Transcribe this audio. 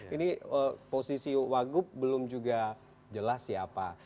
ini posisi wagub belum juga jelas siapa